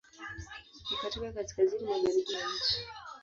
Uko katika Kaskazini magharibi ya nchi.